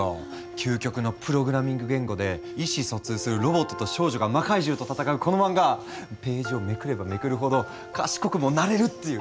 究極のプログラミング言語で意思疎通するロボットと少女が魔怪獣と戦うこの漫画ページをめくればめくるほど賢くもなれるっていう。